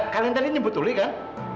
kalian tadi nyebut tuli kan